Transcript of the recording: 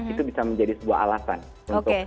itu bisa menjadi sebuah alasan untuk